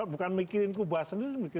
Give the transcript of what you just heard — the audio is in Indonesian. bukan mikirin cuba sendiri